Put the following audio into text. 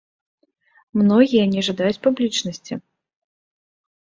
Многія не жадаюць публічнасці.